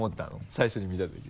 最初に見たとき。